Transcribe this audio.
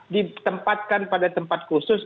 ditempatkan pada tempat khusus